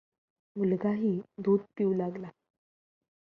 मुलगाहि दूध पिऊ लागला.